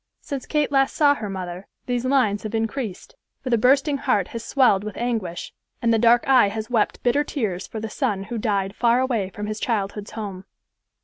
Since Kate last saw her mother, these lines have increased, for the bursting heart has swelled with anguish, and the dark eye has wept bitter tears for the son who died far away from his childhood's home.